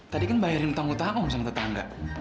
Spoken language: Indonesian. tadi kan bayarin utang utang om sama tetangga